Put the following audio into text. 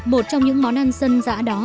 một trong những món ăn dân dã đó